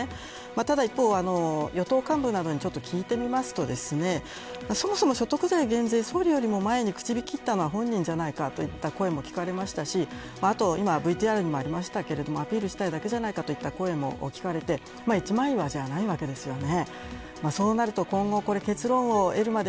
ただ一方、与党幹部などに聞いてみますとそもそも所得税減税、総理よりも前に口火を切ったのは本人じゃないかといった声も聞かれましたしあと今ＶＴＲにもありましたがアピールしたいだけじゃないかといった声も聞かれて一枚岩でないわけじゃないですよね。